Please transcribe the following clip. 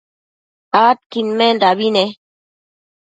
adquidmendabi ne